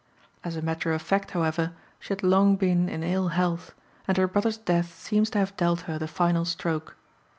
As a matter of fact, however, she had long been in ill health, and her brother's death seems to have dealt her the final stroke.